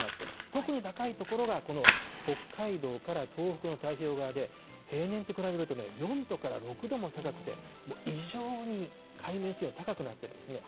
特に高い所が、この北海道から東北の太平洋側で、平年と比べるとね、４度から６度も高くて、もう異常に海面水温高くなってるんですね。